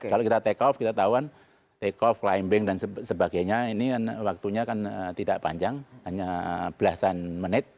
kalau kita take off kita tahuan take off climbing dan sebagainya ini kan waktunya kan tidak panjang hanya belasan menit